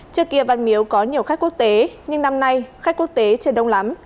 trước kia văn miếu có nhiều khách quốc tế nhưng năm nay khách quốc tế chưa đông lắm